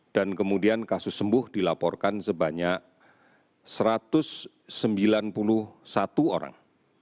dan kemudian kasus sembuh dilaporkan sebanyak satu ratus sembilan puluh satu orang